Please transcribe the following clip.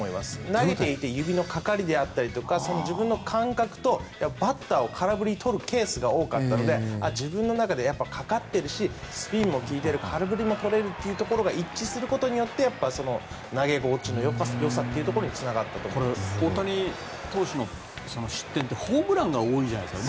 投げていて指のかかりであるとか自分の感覚とバッターを空振りに取るケースが多かったので自分の中で、かかってるしスピンも利いてる空振りも取れるというところが一致することで投げ心地のよさというところにこれ、大谷投手の失点ってホームランが多いじゃないですか。